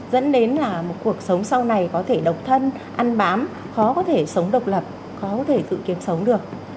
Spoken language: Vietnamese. dẫn đến là một cuộc sống sau này có thể độc thân ăn bám khó có thể sống độc lập khó có thể tự kiếm sống được